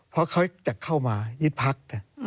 เพราะเขาจะเข้ามายึดพัก